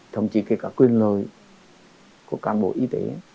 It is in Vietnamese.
thậm chí kể cả quyền lời của cán bộ y tế